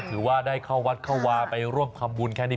ถือว่าได้เข้าวัดเข้าวาไปร่วมทำบุญแค่นี้